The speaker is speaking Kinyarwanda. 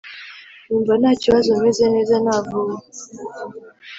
numva ntakibazo meze neza navuwe